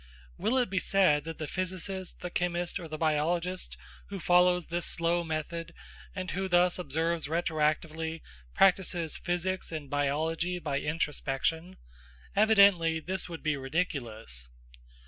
Will it be said that the physicist, the chemist, or the biologist who follows this slow method, and who thus observes retroactively, practises physics and biology by introspection? Evidently this would be ridiculous.